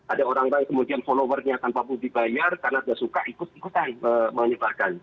ada orang lain kemudian followernya tanpa perlu dibayar karena sudah suka ikut ikutan menyebarkan